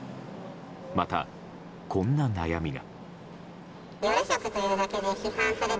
また、こんな悩みが。